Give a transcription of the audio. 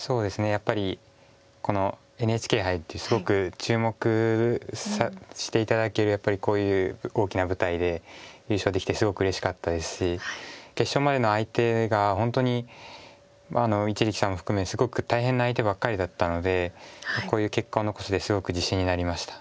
やっぱりこのＮＨＫ杯ってすごく注目して頂けるこういう大きな舞台で優勝できてすごくうれしかったですし決勝までの相手が本当に一力さんを含めすごく大変な相手ばっかりだったのでこういう結果を残せてすごく自信になりました。